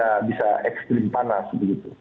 bisa ekstrim panas begitu